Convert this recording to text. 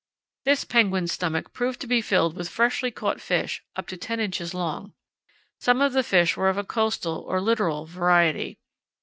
This penguin's stomach proved to be filled with freshly caught fish up to 10 in. long. Some of the fish were of a coastal or littoral variety.